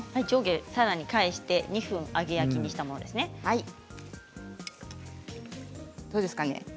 上下さらに返して２分揚げ焼きにしたものですね。